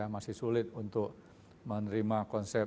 masih sulit untuk menerima konsep